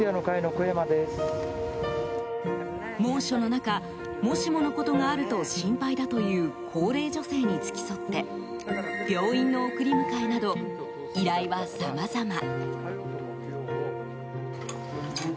猛暑の中もしものことがあると心配だという高齢女性に付き添って病院の送り迎えなど依頼はさまざま。